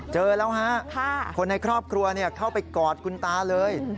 เจอแล้วฮะคนในครอบครัวเข้าไปกอดคุณตาเลย